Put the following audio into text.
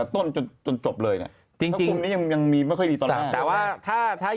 ต้นจนจนจบเลยเนี่ยจริงนี้ยังยังมีไม่ค่อยดีตอนนั้นแต่ว่าถ้าถ้า